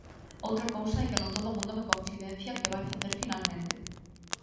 Outra cousa é que non todo o mundo me confidencia que vai facer finalmente.